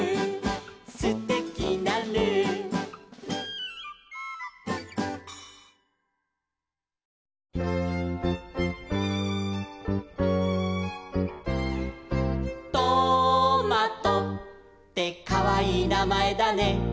「すてきなルー」「トマトってかわいいなまえだね」